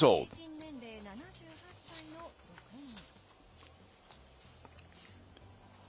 平均年齢７８歳の６人。